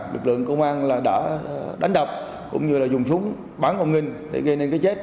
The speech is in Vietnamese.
lực lượng công an đã đánh đập cũng như dùng súng bắn ông nghinh để gây nên cái chết